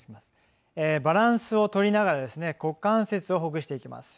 バランスを取りながら股関節をほぐしていきます。